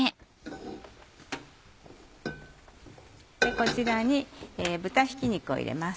こちらに豚ひき肉を入れます。